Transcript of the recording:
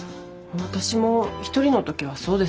私も一人の時はそうですよ。